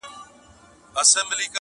هم جواب دی هم مي سوال دی,